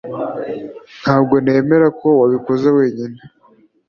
Ntabwo nemera ko wabikoze wenyine